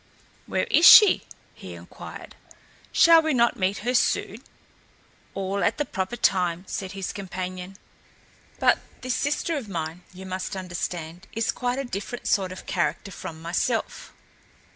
"Where is she?" he inquired. "Shall we not meet her soon?" "All at the proper time," said his companion. "But this sister of mine, you must understand, is quite a different sort of character from myself.